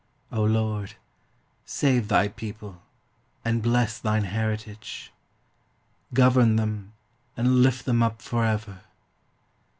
O Lord, save thy people, and bless thine heritage. Govern them, and lift them up for ever.